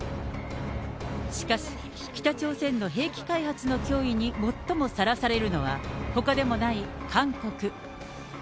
しかし、北朝鮮の兵器開発の脅威に最もさらされるのは、ほかでもない韓国。